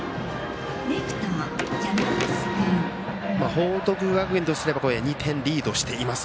報徳学園としては２点リードしています。